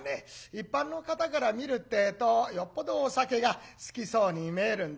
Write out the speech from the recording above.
一般の方から見るってえとよっぽどお酒が好きそうに見えるんでございましょうね。